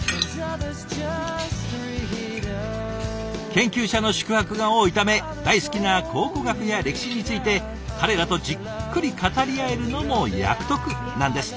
研究者の宿泊が多いため大好きな考古学や歴史について彼らとじっくり語り合えるのも役得なんですって。